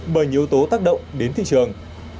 bởi nhiều yếu tố tác động đến thị trường